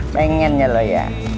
pengennya lo ya